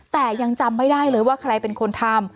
แต่ยังจำไม่ได้เลยว่าใครเป็นคนทำ